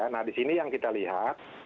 nah di sini yang kita lihat